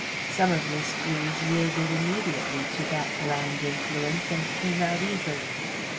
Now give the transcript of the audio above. Some of the screws yielded immediately to that bland influence, and came out easily.